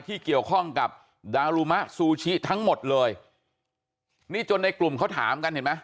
ที่เกี่ยวข้องกับดารุมะซูชิทั้งหมดเลยนี่จนในกลุ่มเขาถามกันเห็นไหม